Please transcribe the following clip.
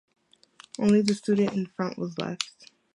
Only the student in front was left.